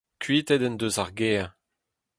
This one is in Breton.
Kuitaet en deus ar gêr.